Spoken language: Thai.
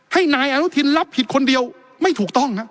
ให้นายอนุทินรับผิดคนเดียวไม่ถูกต้องครับ